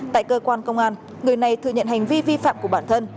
tại cơ quan công an người này thừa nhận hành vi vi phạm của bản thân